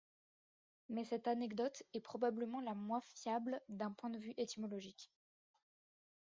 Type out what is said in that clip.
Mais cette anecdote est probablement la moins fiable d'un point de vue étymologique.